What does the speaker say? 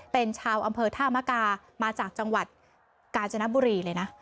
เป็นชาวอำเภอธามกามาจากจังหวัดกาญจนบุรีเลยนะ